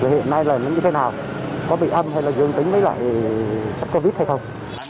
hiện nay là nó như thế nào có bị âm hay là dương tính với lại sắp covid hay không